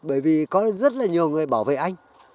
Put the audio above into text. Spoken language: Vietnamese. bởi vì có rất là nhiều người bảo vệ anh